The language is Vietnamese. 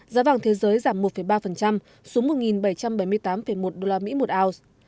giá vàng thế giới giảm một ba xuống một bảy trăm bảy mươi tám một usd một ounce